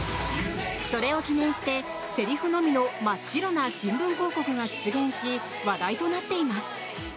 それを記念してせりふのみの真っ白な新聞広告が出現し話題となっています。